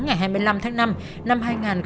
ngày hai mươi năm tháng năm năm hai nghìn hai mươi